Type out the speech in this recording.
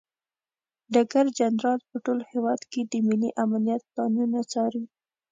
ډګر جنرال په ټول هیواد کې د ملي امنیت پلانونه څاري.